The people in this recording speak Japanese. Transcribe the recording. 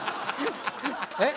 えっ？